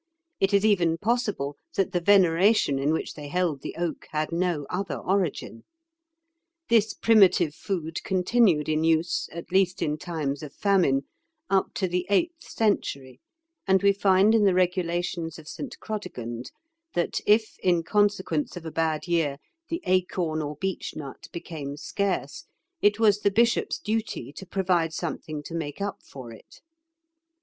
It is even possible that the veneration in which they held the oak had no other origin. This primitive food continued in use, at least in times of famine, up to the eighth century, and we find in the regulations of St. Chrodegand that if, in consequence of a bad year, the acorn or beech nut became scarce, it was the bishop's duty to provide something to make up for it.